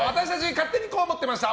勝手にこう思ってました！